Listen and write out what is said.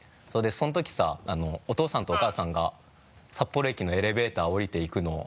それでその時さお父さんとお母さんが札幌駅のエレベーターおりていくの。